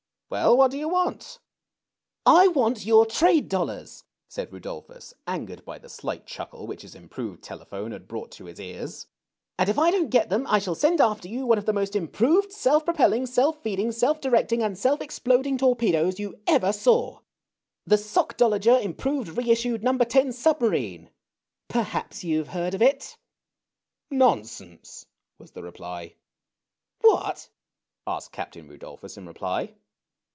"Well, what do you want?" "I want your trade dollars," said Rudolphus, angered by the slight chuckle which his improved telephone had brought to his ears ;" and if I don't get them, I shall send after yon one of the most improved self propelling, self feeding, self directing, and self exploding torpedoes you ever saw — the ' Sockdolager,' improved reissued No. 10 submarine — perhaps you've heard of it?" " Nonsense !" was the reply. "What?" asked Captain Rudolphus in reply.